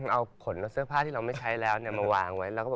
เอาผลโดยเสื้อผ้าที่เราไม่ใช่แล้วไว้